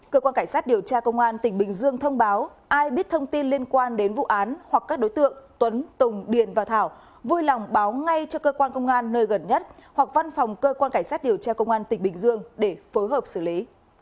cơ quan cảnh sát điều tra công an tỉnh bình dương thông báo ai biết thông tin liên quan đến vụ án hoặc các đối tượng tuấn tùng điền và thảo vui lòng báo ngay cho cơ quan công an nơi gần nhất hoặc văn phòng cơ quan cảnh sát điều tra công an tỉnh bình dương để phối hợp xử lý